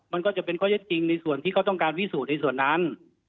มันก็จะเป็นข้อเท็จจริงในส่วนที่เขาต้องการพิสูจน์ในส่วนนั้น